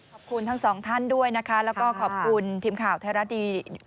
ขอบคุณทั้งสองท่านด้วยนะคะแล้วก็ขอบคุณทีมข่าวไทยรัฐทีวี